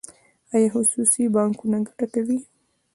آیا خصوصي بانکونه ګټه کوي؟